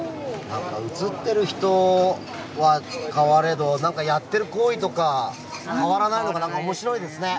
映っている人は変われどやっている行為とかが変わらないのが面白いですね。